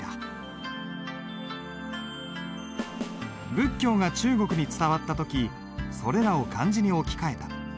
仏教が中国に伝わった時それらを漢字に置き換えた。